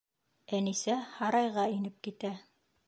Әнисә һарайға инеп китә.